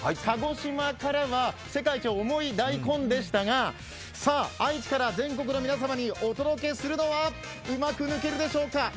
鹿児島からは世界一重い大根でしたが、愛知から全国の皆様にお届けするのは、うまく抜けるでしょうか。